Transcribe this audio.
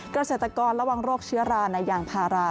กรเศรษฐกรระหว่างโรคเชื้อราในยางพารา